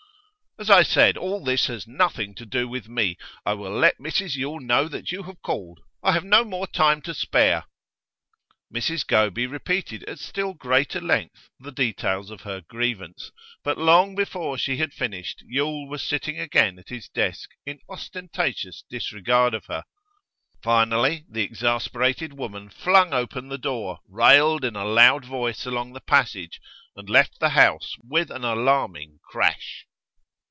'As I said, all this has nothing to do with me. I will let Mrs Yule know that you have called. I have no more time to spare.' Mrs Goby repeated at still greater length the details of her grievance, but long before she had finished Yule was sitting again at his desk in ostentatious disregard of her. Finally, the exasperated woman flung open the door, railed in a loud voice along the passage, and left the house with an alarming crash.